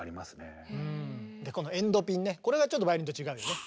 このエンドピンねこれがちょっとバイオリンと違うよね。